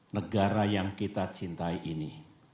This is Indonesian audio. negara yang kita cintai ini